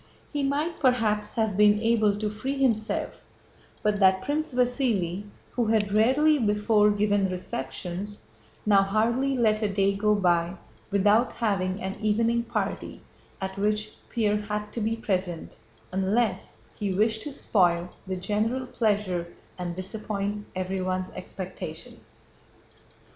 He might perhaps have been able to free himself but that Prince Vasíli (who had rarely before given receptions) now hardly let a day go by without having an evening party at which Pierre had to be present unless he wished to spoil the general pleasure and disappoint everyone's expectation.